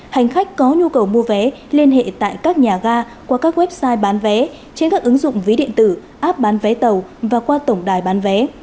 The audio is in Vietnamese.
hành khách có nhu cầu mua vé liên hệ tại các nhà ga qua các website bán vé trên các ứng dụng ví điện tử app bán vé tàu và qua tổng đài bán vé